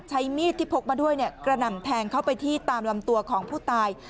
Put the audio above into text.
ใช้มีดที่พกมาด้วยกระหน่ำแทงเข้าไปที่ตามลำตัวของผู้ตาย